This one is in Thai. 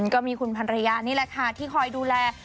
ก็มีคุณพันรยานี่แหละค่ะที่คอยดูแล